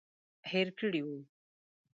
هېر کړي وو.